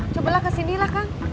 cobalah kesini lah kang